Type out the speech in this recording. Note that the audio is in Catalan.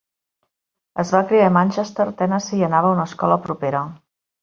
Es va criar a Manchester, Tennessee i anava a una escola propera.